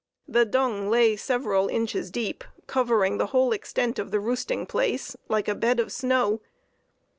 The dung lay several inches deep, covering the whole extent of the roosting place, like a bed of snow.